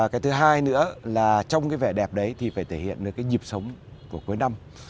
cái thứ hai nữa là trong cái vẻ đẹp đấy thì phải thể hiện được cái nhịp sống của cuối năm